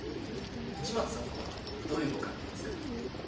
市松さんとはどういうご関係ですか？